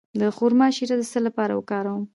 د خرما شیره د څه لپاره وکاروم؟